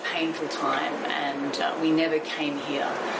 ไม่กลัวเจอ